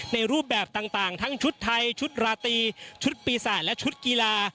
รูปแบบต่างทั้งชุดไทยชุดราตรีชุดปีศาจและชุดกีฬา